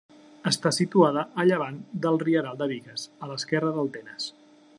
Està situada a llevant del Rieral de Bigues, a l'esquerra del Tenes.